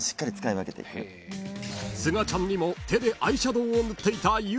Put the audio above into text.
［すがちゃんにも手でアイシャドウを塗っていたゆぅ］